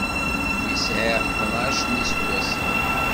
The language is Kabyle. Mi sɛiɣ tnac n yiseggasen.